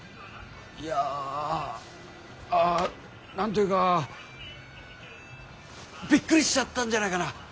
いや何と言うかびっくりしちゃったんじゃないかな。